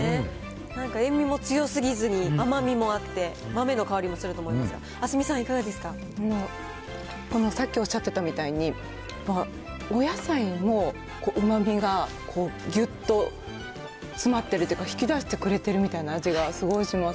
なんか塩味も強すぎずに甘みもあって、豆の香りもすると思いますが、明日海さん、このさっきおっしゃってたみたいに、お野菜のうまみがぎゅっと詰まってるっていうか、引き出してくれてるみたいな味がすごいします。